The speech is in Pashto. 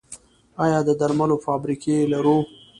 آیا د درملو فابریکې لرو؟